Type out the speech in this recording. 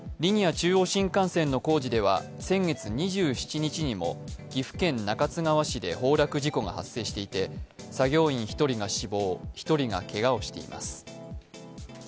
中央新幹線の工事では、先月２７日にも岐阜県中津川市で崩落事故が発生していて、作業員１人が死亡、１人がけがをしています。